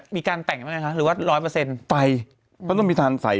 มีการแต่งบ้างไหมคะหรือว่าร้อยเปอร์เซ็นต์ไฟก็ต้องมีทานใส่